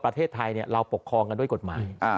ประเทศไทยเราปกครองกันด้วยกฎหมาย